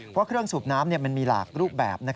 เพราะเครื่องสูบน้ำมันมีหลากรูปแบบ